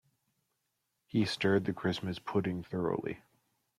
He stirred the Christmas pudding thoroughly.